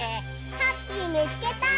ハッピーみつけた！